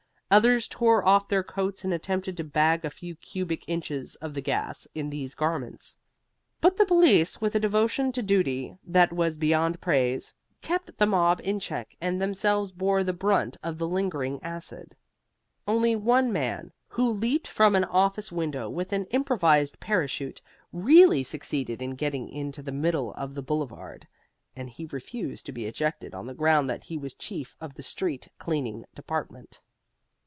Others tore off their coats and attempted to bag a few cubic inches of the gas in these garments. But the police, with a devotion to duty that was beyond praise, kept the mob in check and themselves bore the brunt of the lingering acid. Only one man, who leaped from an office window with an improvised parachute, really succeeded in getting into the middle of the Boulevard, and he refused to be ejected on the ground that he was chief of the street cleaning department.